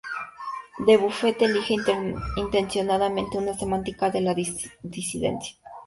Dubuffet elige intencionadamente una semántica de la disidencia.